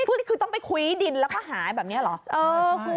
นี่คือต้องไปคุยดินแล้วก็หายแบบนี้เหรอ